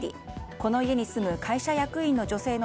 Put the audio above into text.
この家に住む会社役員の女性の